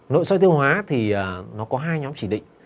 nội soi tiêu hóa có hai nhóm chỉ định